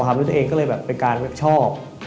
พ่อคอมมีขุมเดอร์ตัวเองก็เลยแบบเป็นการชอบ